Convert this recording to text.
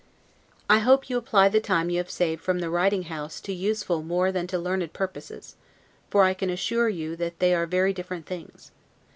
I hope you apply the time you have saved from the riding house to useful more than to learned purposes; for I can assure you they are very different things.